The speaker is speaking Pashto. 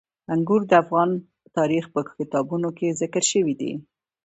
انګور د افغان تاریخ په کتابونو کې ذکر شوي دي.